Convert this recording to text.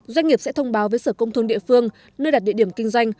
doanh nghiệp sẽ thông báo với sở công thương địa phương nơi đặt địa điểm kinh doanh